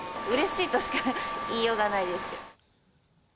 うれしいとしか言いようがないです。